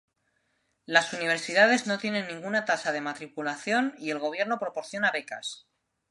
Las universidades no tienen ninguna tasa de matriculación y el gobierno proporciona becas.